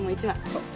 そう。